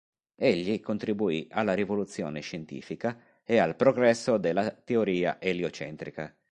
Egli contribuì alla rivoluzione scientifica e al progresso della teoria eliocentrica.